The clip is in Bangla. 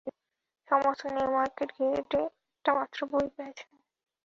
সমস্ত নিউ মার্কেট ঘেটে একটামাত্র বই পেয়েছেন।